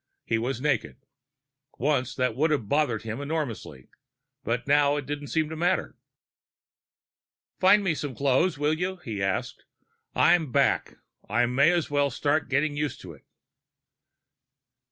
He was naked. Once that would have bothered him enormously, but now it didn't seem to matter. "Find me some clothes, will you?" he asked. "I'm back. I might as well start getting used to it."